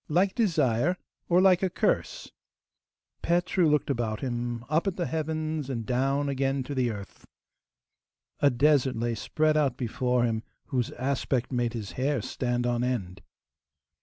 Like desire? or like a curse?' Petru looked about him, up at the heavens and down again to the earth. A desert lay spread out before him, whose aspect made his hair stand on end.